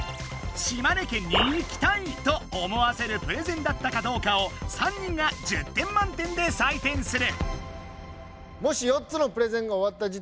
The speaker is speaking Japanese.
「島根県に行きたい」と思わせるプレゼンだったかどうかを３人が１０点満点で採点する。